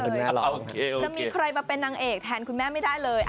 จะมีใครมาเป็นนางเอกแทนคุณแม่ไม่ได้เลย